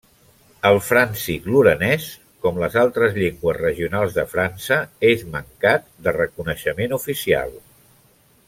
El fràncic lorenès, com les altres llengües regionals de França, és mancat de reconeixement oficial.